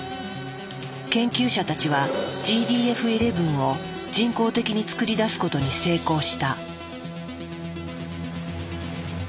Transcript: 研究者たちはＧＤＦ１１を人工的に作り出すことに成功した。